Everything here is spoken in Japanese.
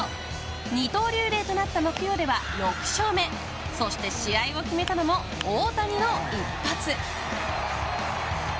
二刀流デーとなった木曜日は６勝目そして試合を決めたのも大谷の一発。